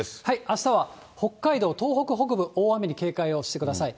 あしたは、北海道、東北北部、大雨に警戒をしてください。